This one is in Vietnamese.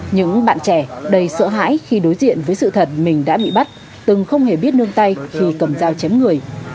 những bạn trẻ đầy sợ hãi khi đối diện với sự thật mình đã bị bắt từng không hề biết nương tay khi cầm dao chém người